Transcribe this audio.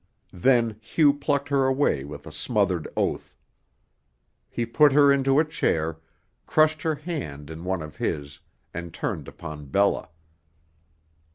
Then Hugh plucked her away with a smothered oath. He put her into a chair, crushed her hand in one of his, and turned upon Bella.